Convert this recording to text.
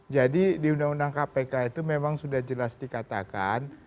jadi di undang undang kpk itu memang sudah jelas dikatakan